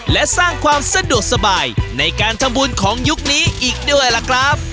และสร้างความสะดวกสบายในการทำบุญของยุคนี้อีกด้วยล่ะครับ